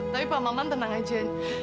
tapi pak maman tenang aja